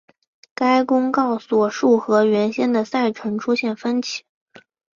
该公告所述和原先的赛程出现分歧。